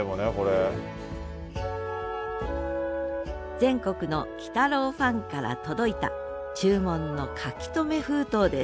全国の「鬼太郎」ファンから届いた注文の書留封筒です。